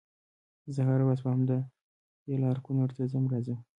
زه هره ورځ په همدې لار کونړ ته ځم راځم